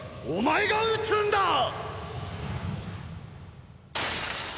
お前が討つんだ！！